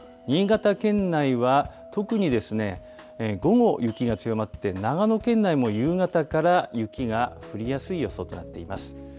新潟県内は、特に午後、雪が強まって、長野県内も夕方から雪が降りやすい予想となっています。